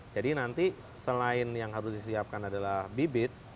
jadi nanti selain yang harus disiapkan adalah bibit